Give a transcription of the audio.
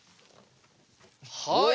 はい。